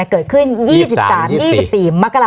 เกิดขึ้น๒๓๒๔มกราศ